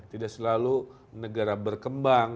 tidak selalu negara berkembang